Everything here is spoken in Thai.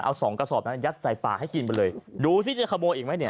เอาสองกระสอบนั้นยัดใส่ปากให้กินไปเลยดูสิจะขโมยอีกไหมเนี่ย